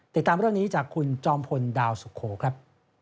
ติดตามเรื่องนี้จากคุณจอมพลดาวสุโขครับ